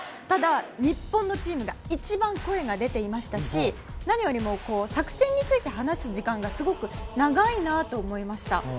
ただ、日本のチームが一番声が出ていましたし何よりも作戦について話す時間がすごく長いなと思いました。